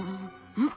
うん！